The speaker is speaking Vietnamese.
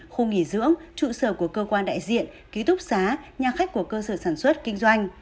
khu nghỉ dưỡng trụ sở của cơ quan đại diện ký túc xá nhà khách của cơ sở sản xuất kinh doanh